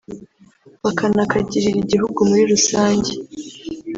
bakanakagirira igihugu muri rusange